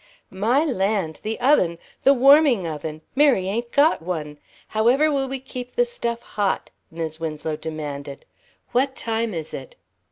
"My land, the oven the warming oven. Mary ain't got one. However will we keep the stuff hot?" Mis' Winslow demanded. "What time is it?"